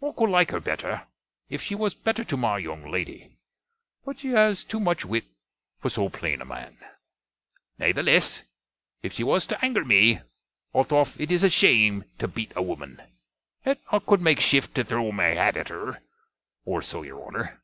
I could like her better, iff she was better to my young lady. But she has too much wit for so plane a man. Natheless, if she was to angre me, althoff it is a shame to bete a woman, yet I colde make shift to throe my hat at her, or so, your Honner.